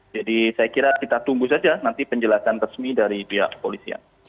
jadi saya kira kita tunggu saja nanti penjelasan resmi dari pihak kepolisian